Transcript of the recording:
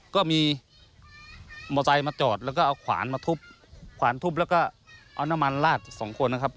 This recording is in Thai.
ก็มีมอไซค์มาจอดแล้วก็เอาขวานมาทุบขวานทุบแล้วก็เอาน้ำมันลาดสองคนนะครับ